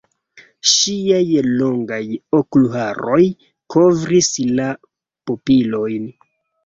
Ŝiaj longaj okulharoj kovris la pupilojn.